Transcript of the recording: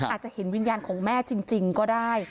อาจจะเห็นวิญญาณของแม่จริงก็ได้